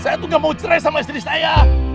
saya tuh gak mau cerai sama istri saya